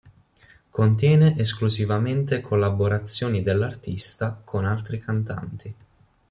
Contiene esclusivamente collaborazioni dell'artista con altri cantanti.